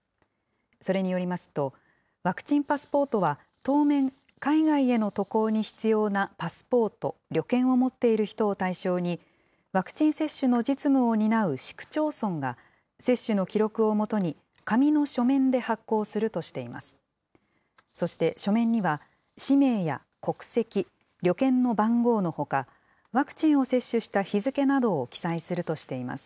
それによりますと、ワクチンパスポートは当面、海外への渡航に必要なパスポート・旅券を持っている人を対象に、ワクチン接種の実務を担う市区町村が、接種の記録をもとに、紙の書面で発行するとしています。